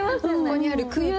ここにある空気。